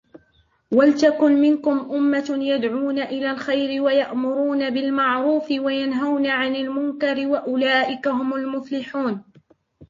ولتكن منكم أمة يدعون إلى الخير ويأمرون بالمعروف وينهون عن المنكر وأولئك هم المفلحون